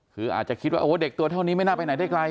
คืออาจจะคิดว่าเด็กตัวเท่านี้ไม่น่าไปไหนได้ไกล